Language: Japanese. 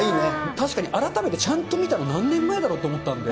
確かに改めてちゃんと見たの何年前だろうと思ったんで。